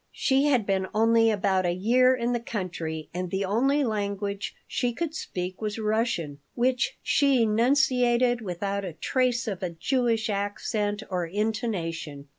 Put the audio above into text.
She had been only about a year in the country, and the only language she could speak was Russian, which she enunciated without a trace of a Jewish accent or intonation.